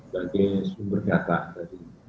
bagi sumber data